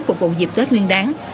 phục vụ dịp tết nguyên đáng